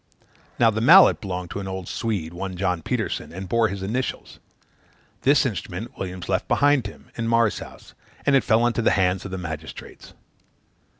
Now the mallet belonged to an old Swede, one John Petersen, and bore his initials. This instrument Williams left behind him, in Marr's house, and it fell into the hands of the magistrates.